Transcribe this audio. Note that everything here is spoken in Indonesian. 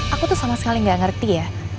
aku tuh sama sekali nggak ngerti ya